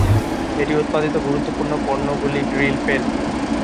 এটি উৎপাদিত গুরুত্বপূর্ণ পণ্যগুলি গ্রিল, পেন।